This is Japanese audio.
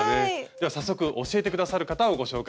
では早速教えて下さる方をご紹介しましょう。